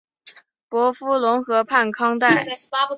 伯夫龙河畔康代。